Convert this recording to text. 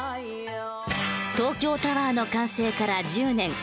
東京タワーの完成から１０年。